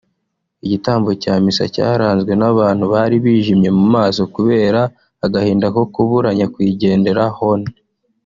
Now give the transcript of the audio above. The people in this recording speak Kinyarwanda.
Igitambo cya misa cyaranzwe nabantu bari bijimye mu maso kubera agahinda ko kubura nyakwigendera Hon